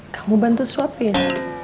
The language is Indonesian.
kamu bantu suapin